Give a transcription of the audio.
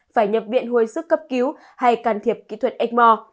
phải nhập viện hồi sức cấp cứu hay can thiệp kỹ thuật ếchmore